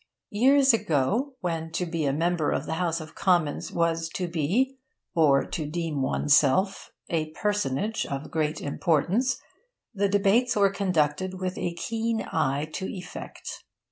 Years ago, when to be a member of the House of Commons was to be (or to deem oneself) a personage of great importance, the debates were conducted with a keen eye to effect.